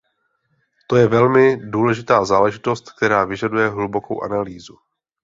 To je velmi důležitá záležitost, která vyžaduje hlubokou analýzu.